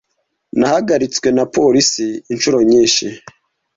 Nahagaritswe na polisi inshuro nyinshi.